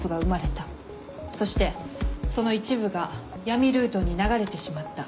そしてその一部が闇ルートに流れてしまった。